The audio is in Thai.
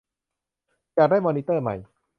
อยากได้มอนิเตอร์ใหม่